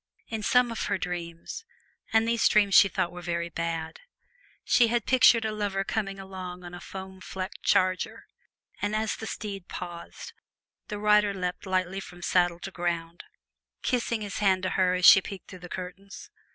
In some of her dreams (and these dreams she thought were very bad), she had pictured a lover coming alone on a foam flecked charger; and as the steed paused, the rider leaped lightly from saddle to ground, kissing his hand to her as she peeked through the curtains.